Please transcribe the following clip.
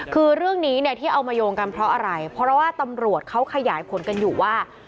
คือเรื่องนี้เนี่ยที่เอามาโยงกันเพราะอะไรเพราะว่าตำรวจเขาขยายผลกันอยู่ว่า